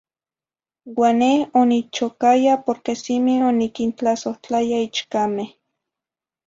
Uan neh onichocaya porque simi oniquintlasohtlaya ichcameh.